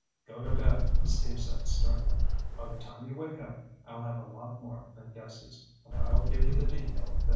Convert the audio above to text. "Go to bed," Steve said sternly. "By the time you wake up, I'll have a lot more than guesses, and I'll give you the details then."